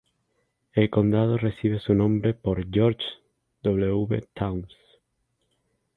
El condado recibe su nombre por George W. Towns.